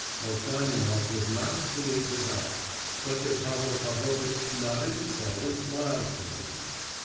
Velchaninoff would not have believed his eyes, but that Pavel Pavlovitch nodded his head and smiled to him.